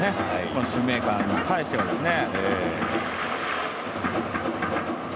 このシューメーカーに対してはですね。